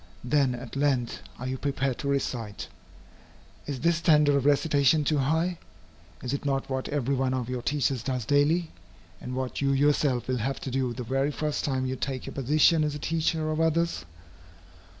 Then at length are you prepared to recite. Is this standard of recitation too high? Is it not what every one of your teachers does daily, and what you yourself will have to do the very first time you take your position as a teacher of others?